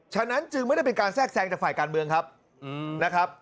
ฉะนั้นจึงไม่ได้เป็นการแทรกแทรงจากฝ่ายการเมืองครับนะครับ